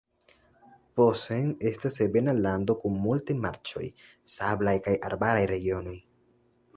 Posen estas ebena lando kun multaj marĉoj, sablaj kaj arbaraj regionoj.